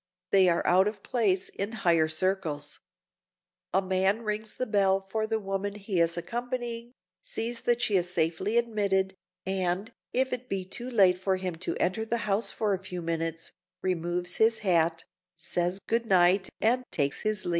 They are out of place in higher circles. A man rings the bell for the woman he is accompanying, sees that she is safely admitted, and, if it be too late for him to enter the house for a few minutes, removes his hat, says good night and takes his leave.